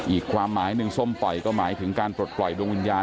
อีกความหมายหนึ่งส้มปล่อยก็หมายถึงการปลดปล่อยดวงวิญญาณ